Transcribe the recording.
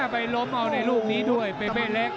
ไปล้มเอาในลูกนี้ด้วยเปเป้เล็ก